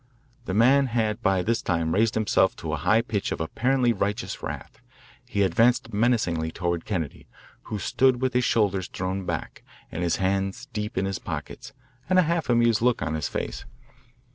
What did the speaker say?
The man had by this time raised himself to a high pitch of apparently righteous wrath. He advanced menacingly toward Kennedy, who stood with his shoulders thrown back, and his hands deep in his pockets, and a half amused look on his face.